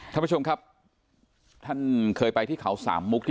ท่านผู้ชมครับท่านเคยไปที่เขาสามมุกที่